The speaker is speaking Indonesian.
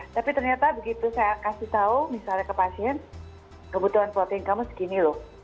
tapi ternyata begitu saya kasih tahu misalnya ke pasien kebutuhan protein kamu segini loh